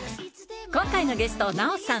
今回のゲスト奈緒さん